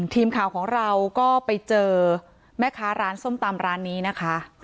ทีมข่าวของเราก็ไปเจอแม่ค้าร้านส้มตำร้านนี้นะคะ